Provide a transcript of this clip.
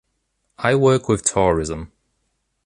I work with tourism.